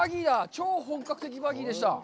超本格的バギーでした。